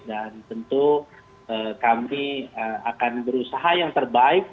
dan tentu kami akan berusaha yang terbaik